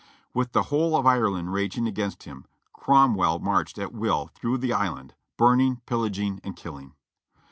With the whole of Ireland raging against him, Cromwell marched at will through the island, burning, pillaging and killing.